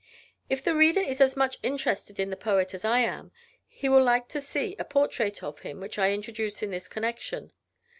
If the reader is as much interested in the poet as I am, he will like to see a portrait of him, which I introduce in this connection.